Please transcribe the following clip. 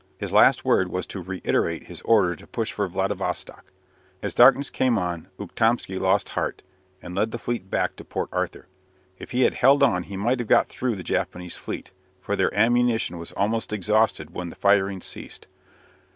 His last word was to reiterate his order to push for Vladivostock. As darkness came on Ukhtomsky lost heart, and led the fleet back to Port Arthur. If he had held on he might have got through the Japanese fleet, for their ammunition was almost exhausted when the firing ceased.